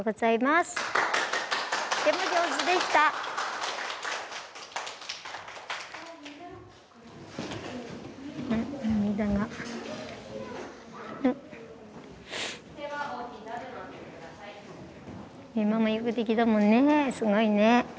すごいね。